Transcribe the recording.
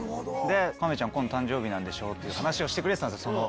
「亀ちゃん今度誕生日でしょ」って話をしてくれてたんです。